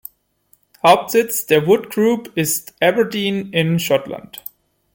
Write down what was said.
Hauptsitz der Wood Group ist Aberdeen in Schottland.